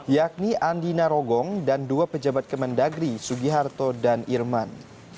yakni andi narogong dan dua pejabat kemendagri sugiharto dan irman